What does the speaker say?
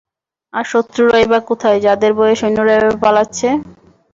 আর শত্রুরাই বা কোথায়, যাদের ভয়ে সৈন্যরা এভাবে পালাচ্ছে?